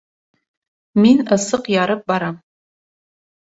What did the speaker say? Мин ысыҡ ярып барам!